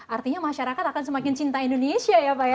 artinya masyarakat akan semakin cinta indonesia ya pak ya